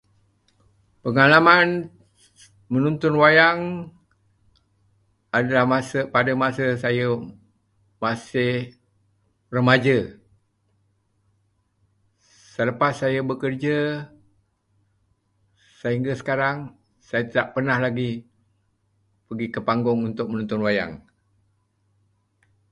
Pengalaman menonton wayang adalah masa- pada masa saya masih remaja. Selepas saya bekerja sehingga sekarang, saya tidak pernah lagi pergi ke panggung untuk menonton wayang.